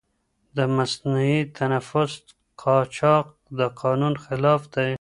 د مصنوعي تنفس قاچاق د قانون خلاف دی.